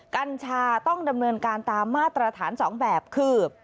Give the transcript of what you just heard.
กัญชาต้องดำเนินการตามมาตรฐาน๒แบบคือ